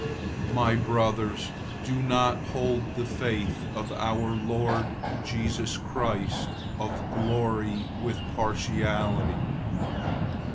002:001 My brothers, don't hold the faith of our Lord Jesus Christ of glory with partiality.